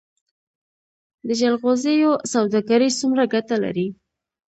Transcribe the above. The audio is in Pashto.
د جلغوزیو سوداګري څومره ګټه لري؟